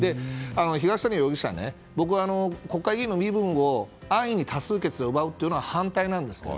東谷容疑者は国会議員の資格を安易に多数決で奪うというのは反対なんですけけろ